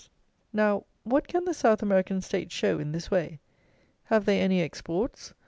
Now, what can the South American State show in this way? Have they any exports?